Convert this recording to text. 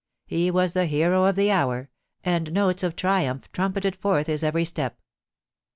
He was the hero of the hour, and notes of triumph trumpeted forth his every step.